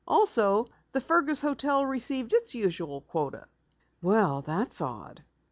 Also, the Fergus hotel received its usual quota." "Well, that's odd."